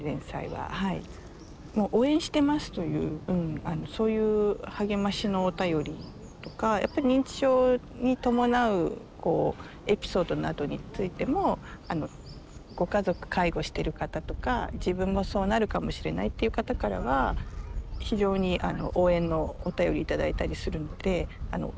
「応援してます」というそういう励ましのお便りとかやっぱり認知症に伴うエピソードなどについてもご家族介護してる方とか自分もそうなるかもしれないっていう方からは非常に応援のお便り頂いたりするので思いがけない反応ですね。